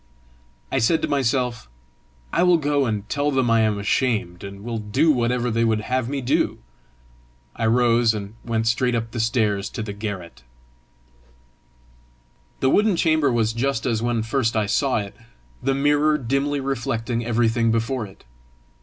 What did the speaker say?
I said to myself, "I will go and tell them I am ashamed, and will do whatever they would have me do!" I rose, and went straight up the stairs to the garret. The wooden chamber was just as when first I saw it, the mirror dimly reflecting everything before it.